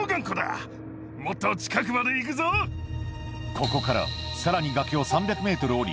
ここからさらに崖を３００ｍ下り